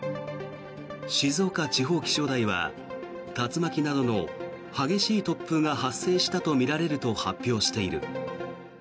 静岡地方気象台は竜巻などの激しい突風が発生したとみられると発表している。